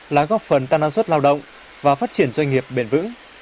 là góp phần tăng năng suất lao động và phát triển doanh nghiệp bền vững